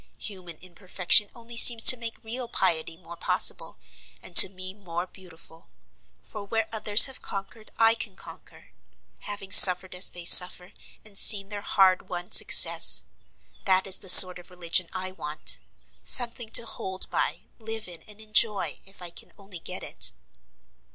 Human imperfection only seems to make real piety more possible, and to me more beautiful; for where others have conquered I can conquer, having suffered as they suffer, and seen their hard won success. That is the sort of religion I want; something to hold by, live in, and enjoy, if I can only get it."